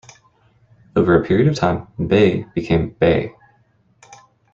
Over a period of time, "Bae" became "Bay".